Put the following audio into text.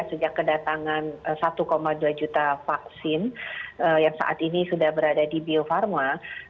sejak kedatangan satu dua juta vaksin yang saat ini sudah berada di bio farma